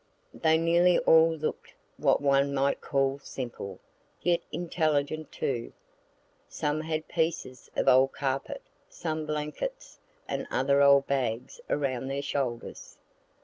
They nearly all look'd what one might call simple, yet intelligent, too. Some had pieces of old carpet, some blankets, and others old bags around their shoulders.